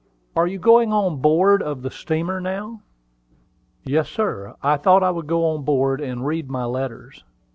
Are you going on board of the steamer now?" "Yes, sir; I thought I would go on board and read my letters.